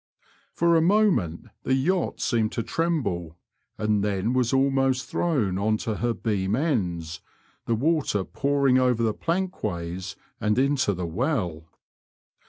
For a moment the yacht seemed to tremble, and then was almost thrown on ta her beam ends, the water pouring over the plankways and into the well.